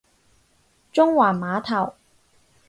中環碼頭